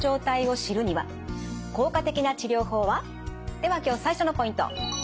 では今日最初のポイント。